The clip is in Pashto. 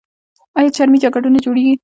آیا چرمي جاکټونه جوړیږي؟